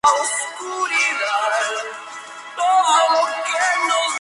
Fue sacado en camilla del hielo y llevado al hospital.